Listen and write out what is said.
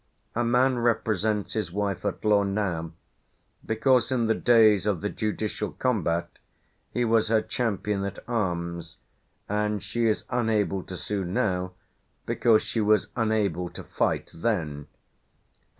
A man represents his wife at law now, because in the days of the judicial combat he was her champion at arms, and she is unable to sue now, because she was unable to fight then" (p.